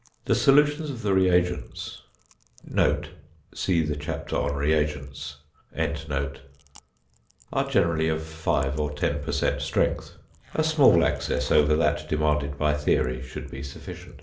The solutions of the reagents (see REAGENTS) are generally of five or ten per cent. strength. A small excess over that demanded by theory should be sufficient.